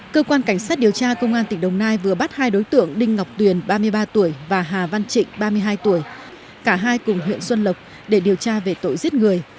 cơ quan cảnh sát điều tra công an tỉnh đồng nai vừa bắt hai đối tượng đinh ngọc tuyền ba mươi ba tuổi và hà văn trịnh ba mươi hai tuổi cả hai cùng huyện xuân lộc để điều tra về tội giết người